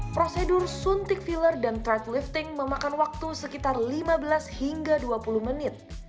prosedur suntik filler dan third lifting memakan waktu sekitar lima belas hingga dua puluh menit